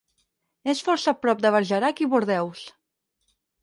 És força a prop de Bergerac i Bordeus.